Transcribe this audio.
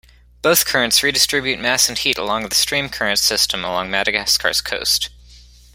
Both currents redistribute mass and heat along the stream current system along Madagascar's coast.